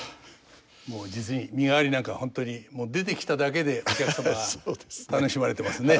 もう実に「身替」なんかは本当にもう出てきただけでお客様が楽しまれてますね。